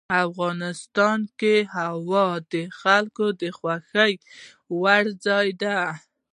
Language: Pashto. افغانستان کې هوا د خلکو د خوښې وړ ځای دی.